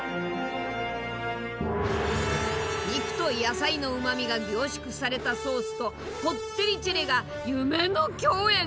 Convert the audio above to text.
肉と野菜のうまみが凝縮されたソースとコッテリチェレが夢の共演！